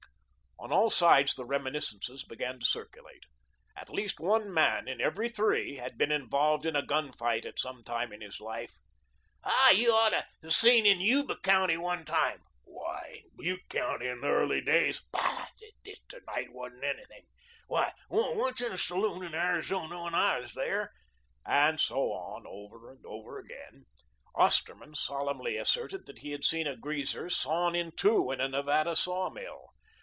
On all sides the reminiscences began to circulate. At least one man in every three had been involved in a gun fight at some time of his life. "Ah, you ought to have seen in Yuba County one time " "Why, in Butte County in the early days " "Pshaw! this to night wasn't anything! Why, once in a saloon in Arizona when I was there " and so on, over and over again. Osterman solemnly asserted that he had seen a greaser sawn in two in a Nevada sawmill.